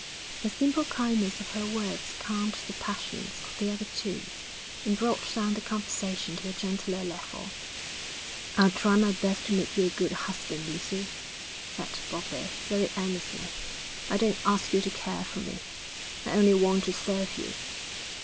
The simple kindness of her words calmed the passions of the other two, and brought down the conversation to a gentler level. 'I'll try my best to make you a good husband, Lucy,' said Bobbie, very earnestly. 'I don't ask you to care for me; I only want to serve you.'